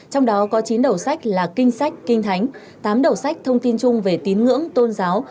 trong đó có chín đầu sách là kinh sách kinh thánh tám đầu sách thông tin chung về tín ngưỡng tôn giáo